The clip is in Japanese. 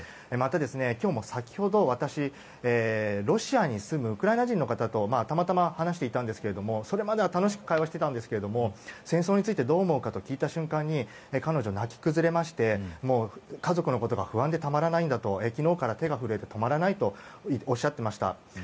また、今日も先ほど私はロシアに住むウクライナ人の方とたまたま話していたんですけどそれまでは楽しく会話していたんですが戦争についてどう思うか聞いた瞬間に彼女は泣き崩れて家族のことが不安でたまらないんだと昨日から手が震えて止まらないとおっしゃっていました。